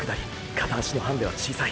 片足のハンディは小さい。